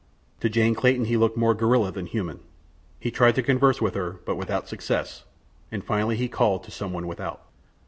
To Jane Clayton he looked more gorilla than human. He tried to converse with her, but without success, and finally he called to some one without.